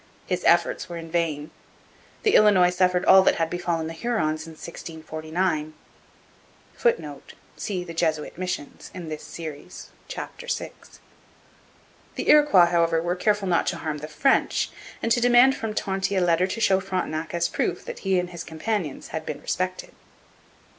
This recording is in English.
His efforts were in vain. The Illinois suffered all that had befallen the Hurons in 1649. [Footnote: See The Jesuit Missions in this Series, chap. vi.] The Iroquois, however, were careful not to harm the French, and to demand from Tonty a letter to show Frontenac as proof that he and his companions had been respected.